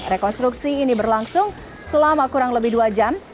rekonstruksi ini berlangsung selama kurang lebih dua jam